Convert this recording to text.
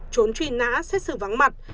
trốn truy nã xét xử vắng mặt